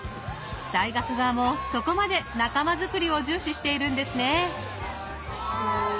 大学側もそこまで仲間づくりを重視しているんですね。